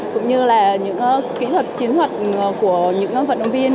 cũng như là những kỹ thuật chiến thuật của những vận động viên